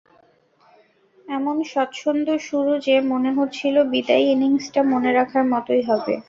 এমন স্বচ্ছন্দ শুরু যে, মনে হচ্ছিল বিদায়ী ইনিংসটা মনে রাখার মতোই হবে।